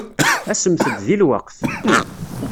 Asemt-d deg lweqt.